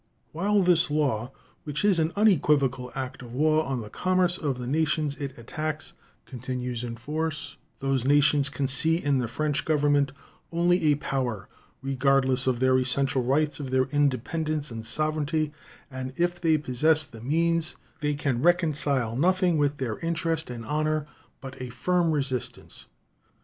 While this law, which is an unequivocal act of war on the commerce of the nations it attacks, continues in force those nations can see in the French Government only a power regardless of their essential rights, of their independence and sovereignty; and if they possess the means they can reconcile nothing with their interest and honor but a firm resistance.